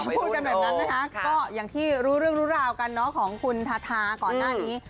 พูดกันแบบนั้นนะคะก็อย่างที่รู้เรื่องรู้ราวกันเนาะของคุณทาทาก่อนหน้านี้